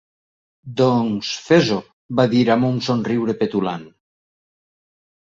"Doncs fes-ho", va dir amb un somriure petulant.